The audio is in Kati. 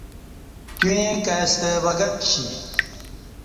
تیو ییں کای کستہ وگچّی